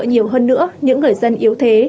nhiều hơn nữa những người dân yếu thế